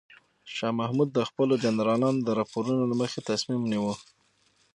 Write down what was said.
شاه محمود د خپلو جنرالانو د راپورونو له مخې تصمیم ونیو.